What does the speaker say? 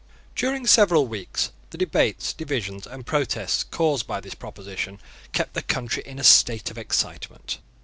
During several weeks the debates, divisions, and protests caused by this proposition kept the country in a state of excitement.